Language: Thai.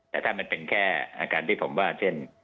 แต่ถ้ามันเป็นแค่อาการที่ผมว่าเช่น